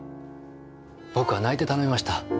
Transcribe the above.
僕は泣いて頼みました。